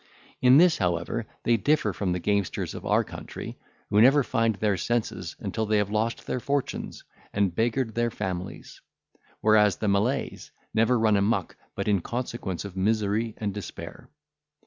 In this, however, they differ from the gamesters of our country, who never find their senses, until they have lost their fortunes, and beggared their families; whereas the Malays never run amuck, but in consequence of misery and despair.